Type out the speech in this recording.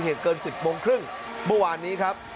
เหตุเกิน๑๐โมงครึ่งเมื่อวานนี้ครับ